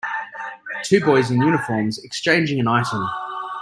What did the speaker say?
two boys in uniforms exchanging an item